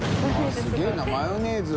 すげぇなマヨネーズを。